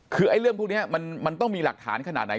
คือเรื่องพวกนี้มันต้องมีหลักฐานขนาดไหน